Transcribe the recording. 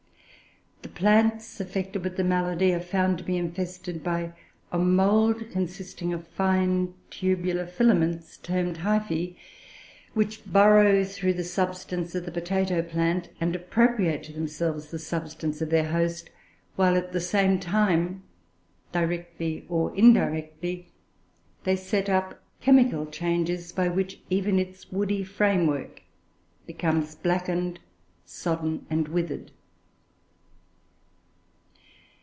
The plants afflicted with the malady are found to be infested by a mould, consisting of fine tubular filaments, termed hyphoe, which burrow through the substance of the potato plant, and appropriate to themselves the substance of their host; while, at the same time, directly or indirectly, they set up chemical changes by which even its woody framework becomes blackened, sodden, and withered.